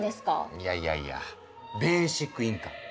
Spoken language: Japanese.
いやいやいや「ベーシックインカム」。